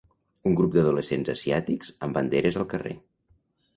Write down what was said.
Un grup d'adolescents asiàtics amb banderes al carrer.